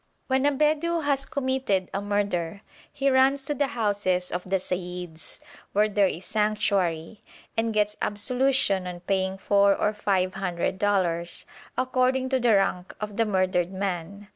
When a Bedou has committed a murder, he runs to the houses of the seyyids, where there is sanctuary, and gets absolution on paying four or five hundred dollars, according to the rank of the murdered man.